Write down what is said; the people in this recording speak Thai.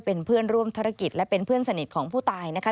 เป็นเพื่อนร่วมธุรกิจและเป็นเพื่อนสนิทของผู้ตายนะคะ